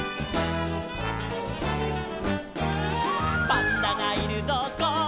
「パンダがいるぞこっちだ」